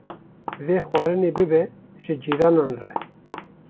Vê xwarinê bibe ji cîranan re.